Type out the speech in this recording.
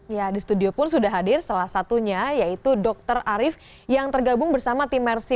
ya di studio pun sudah hadir salah satunya yaitu dokter arief yang tergabung bersama tim mercy